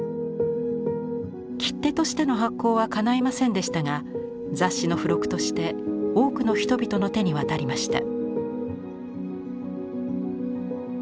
切手としての発行はかないませんでしたが雑誌の付録として多くの人々の手に渡りました。